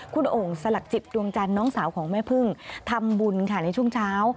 คุณโอ่งสลักจิตดวงจันทร์น้องสาวของแม่พึ่งทำบุญค่ะในช่วงเช้า